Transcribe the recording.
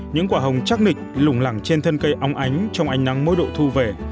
những quả hồng chắc nịch lủng lẳng trên thân cây ống ánh trong ánh nắng mối độ thu về